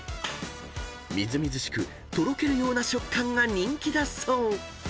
［みずみずしくとろけるような食感が人気だそう］